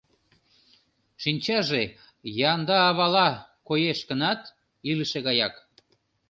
Шинчаже яндавала коеш гынат, илыше гаяк.